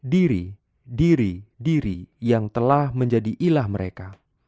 diri diri yang telah menjadi ilah mereka